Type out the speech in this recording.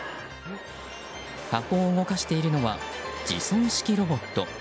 箱を動かしているのは自走式ロボット。